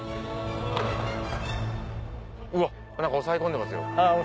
うわっ何か押さえ込んでますよ。